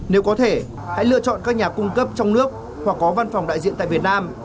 nếu có thể hãy lựa chọn các nhà cung cấp trong nước hoặc có văn phòng đại diện tại việt nam